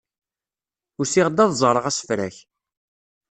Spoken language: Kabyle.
Usiɣ-d ad ẓreɣ asefrak.